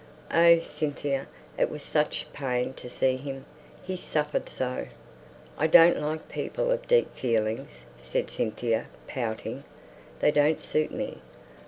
"Oh, Cynthia, it was such pain to see him, he suffered so!" "I don't like people of deep feelings," said Cynthia, pouting. "They don't suit me.